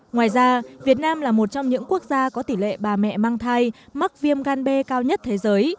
ngoài ra việt nam là một trong những quốc gia có tỷ lệ bà mẹ mang thai mắc viêm gan b cao nhất thế giới